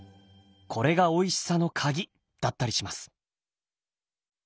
これがおいしさの鍵だったりします。